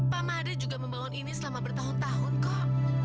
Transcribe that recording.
pamade juga membangun ini selama bertahun tahun kok